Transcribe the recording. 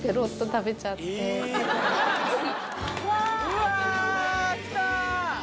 うわきた！